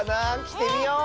きてみよう！